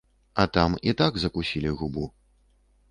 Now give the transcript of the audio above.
А там і так закусілі губу.